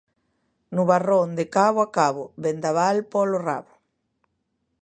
Nubarrón de cabo a cabo, vendaval polo rabo